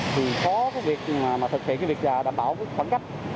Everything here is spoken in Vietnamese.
thì khó thực hiện việc đảm bảo khoảng cách